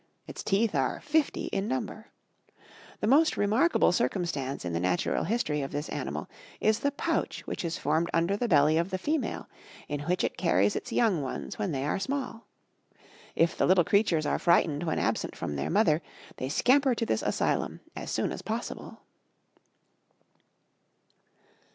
Its teeth are fifty in number. The most remarkable circumstance in the natural history of this animal is the pouch which is formed under the belly of the female, in which it carries its young ones when they are small. If the little creatures are frightened when absent from their mother, they scamper to this asylum as soon as possible. [Illustration: The Antelope.